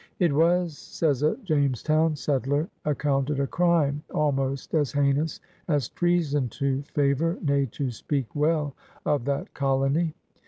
It was, says a Jamestown settler, '^ac counted a crime almost as heinous as treason to favour, nay to speak well oi that colony.